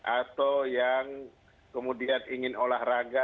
atau yang kemudian ingin olahraga